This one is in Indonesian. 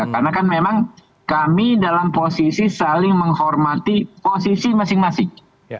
karena kan memang kami dalam posisi saling menghormati posisi masing masing